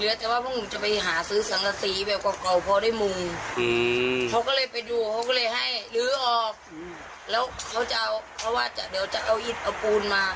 เหลือแต่ว่าพวกมึงจะไปหาซื้อศักดิ์แบบเก่าพอได้มูกเขาก็เลยไปดู